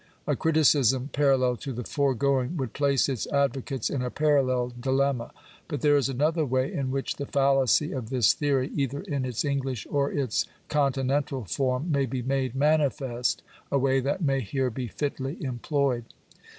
A criticism parallel to the foregoing would place its advocates in a parallel dilemma. But there is another way in which the fallacy of this theory, either in its English or its continental form, may be made manifest — a way that may here be fitly employed.